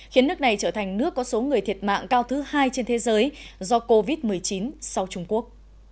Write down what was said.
khiến nước này trở thành nước có số người thiệt mạng cao thứ hai trên thế giới do covid một mươi chín sau trung quốc